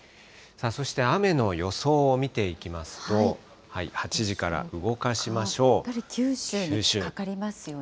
そして雨の予想を見ていきますと、やはり九州にかかりますよね。